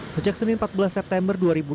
sejak senin empat belas september dua ribu dua puluh